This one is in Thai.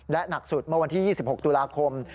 และหนักสุดเมื่อวันที่๒๖ตุลาคม